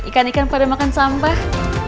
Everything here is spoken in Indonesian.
ikan ikan pada makan sampah